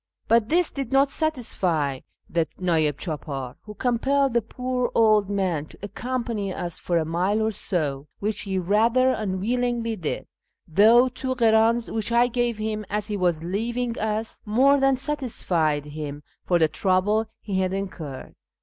But this did not satisfy the nd'ih chdpdr, who compelled the poor old man to accompany us for a mile or so, which he rather unwillingly did ; though two h'dns which I gave him as he was leaving us more than satisfied him for the trouble he had incurred.